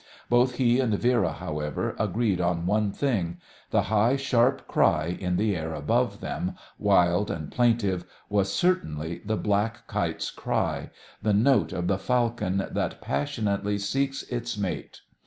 Both he and Vera, however, agreed on one thing: the high, sharp cry in the air above them, wild and plaintive, was certainly the black kite's cry the note of the falcon that passionately seeks its mate.